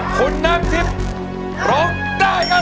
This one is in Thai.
คุณน้ำทิพย์ร้องได้ครับ